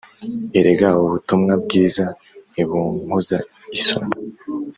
Erega ubutumwa bwiza ntibunkoza isoni